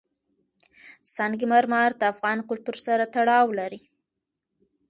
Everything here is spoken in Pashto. سنگ مرمر د افغان کلتور سره تړاو لري.